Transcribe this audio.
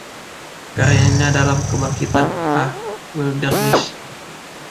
Karyanya dalam kebangkitan Ah, Wilderness!